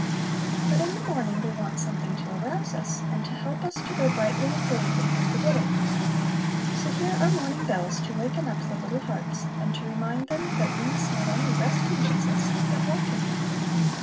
But in the morning we want something to arouse us, and to help us to go brightly and bravely through the day. So here are "Morning Bells" to waken up the little hearts, and to remind them that we must not only rest in Jesus, but walk in Him.